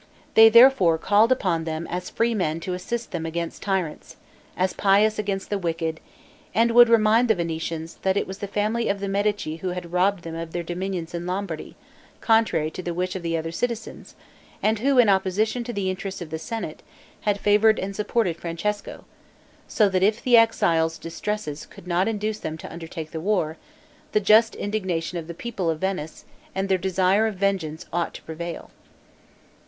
They therefore called upon them as free men to assist them against tyrants; as pious, against the wicked; and would remind the Venetians, that it was the family of the Medici who had robbed them of their dominions in Lombardy, contrary to the wish of the other citizens, and who, in opposition to the interests of the senate, had favored and supported Francesco, so, that if the exiles' distresses could not induce them to undertake the war, the just indignation of the people of Venice, and their desire of vengeance ought to prevail.